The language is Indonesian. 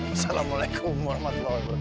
assalamualaikum warahmatullahi wabarakatuh